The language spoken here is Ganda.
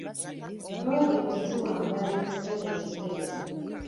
Pulojekiti ziwangaala ekiseera ekigere.